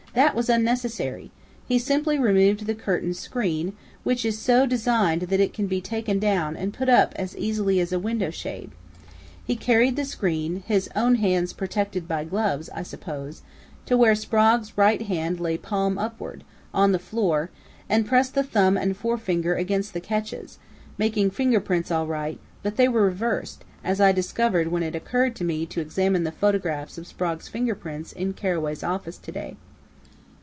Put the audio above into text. "That was unnecessary. He simply removed the curtain screen, which is so designed that it can be taken down and put up as easily as a window shade. He carried the screen his own hands protected by gloves, I suppose to where Sprague's right hand lay palm upward, on the floor, and pressed the thumb and forefinger against the catches, making fingerprints all right, but they were reversed as I discovered when it occurred to me to examine the photographs of Sprague's fingerprints in Carraway's office today.